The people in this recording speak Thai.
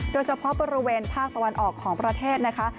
โดยเฉพาะบริเวณภาคตะวันออกของประเทศนะคะ